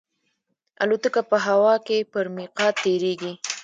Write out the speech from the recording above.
الوتکه په هوا کې پر میقات تېرېږي.